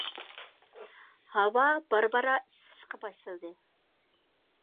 ھاۋا بارا-بارا ئىسسىشقا باشلىدى.